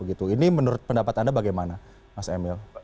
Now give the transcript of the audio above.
ini menurut pendapat anda bagaimana mas emil